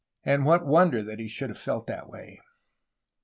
And what wonder that he should have felt that way!